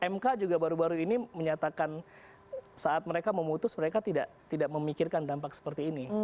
mk juga baru baru ini menyatakan saat mereka memutus mereka tidak memikirkan dampak seperti ini